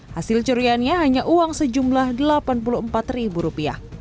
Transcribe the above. hasil curiannya hanya uang sejumlah delapan puluh empat rupiah